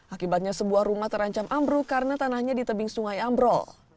akibatnya sebuah rumah terancam ambruk karena tanahnya di tebing sungai ambrol